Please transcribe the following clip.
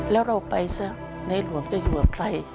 แล้วเราไปซะในหลวงจะอยู่กับใคร